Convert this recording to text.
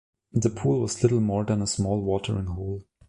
The pool was little more than a small watering hole.